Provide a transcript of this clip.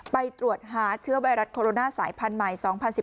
ไปตรวจหาเชื้อไวรัสโคโรนาสายพันธุ์ใหม่๒๐๑๙